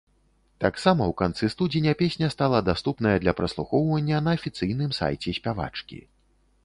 Таксама ў канцы студзеня песня стала даступная для праслухоўвання на афіцыйным сайце спявачкі.